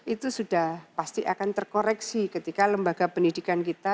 itu sudah pasti akan terkoreksi ketika lembaga pendidikan kita